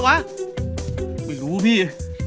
ไม่รู้พี่